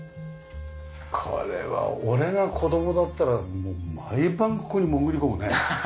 これは俺が子供だったら毎晩ここに潜り込むね。